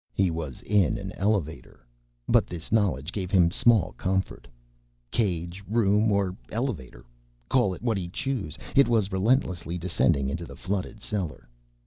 He was in an elevator, but this knowledge gave him small comfort. Cage, room, or elevator call it what he chose it was relentlessly descending into the flooded cellar.